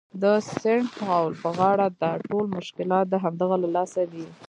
د سینټ پاول په غاړه ده، ټول مشکلات د همدغه له لاسه دي.